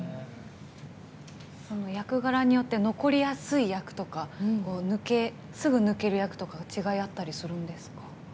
役柄によって残りやすい役とかすぐ抜ける役とかの違いあったりするんですか？